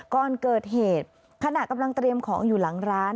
ก่อนเกิดเหตุขณะกำลังเตรียมของอยู่หลังร้าน